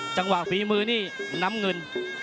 จังหวะฝีมือนี่น้ำเงิน